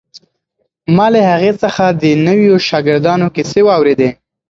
ما له هغې څخه د نویو شاګردانو کیسې واورېدې.